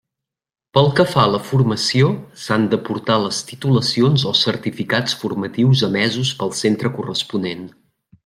Pel que fa a la formació, s'han d'aportar les titulacions o certificats formatius emesos pel centre corresponent.